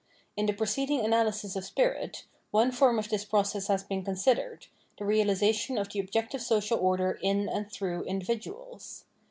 In the preceding analysis of spirit, one form of this process has been considered, the realisation of the objective social order in and through individuals.